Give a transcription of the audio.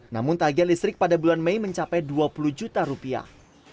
namun tagihan listrik pada bulan mei mencapai dua puluh juta rupiah